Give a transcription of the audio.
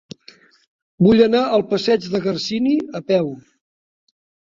Vull anar al passatge de Garcini a peu.